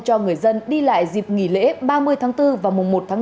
cho người dân đi lại dịp nghỉ lễ ba mươi tháng bốn và mùa một tháng năm